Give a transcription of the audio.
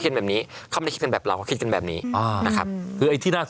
นั่นการลองคิดแบบนักธุรกิจ